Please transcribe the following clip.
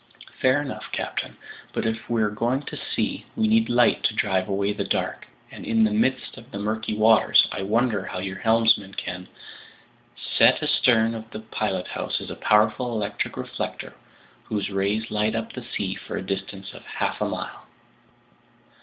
"Fair enough, captain, but if we're going to see, we need light to drive away the dark, and in the midst of the murky waters, I wonder how your helmsman can—" "Set astern of the pilothouse is a powerful electric reflector whose rays light up the sea for a distance of half a mile."